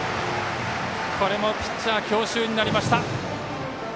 これもピッチャー強襲になりました。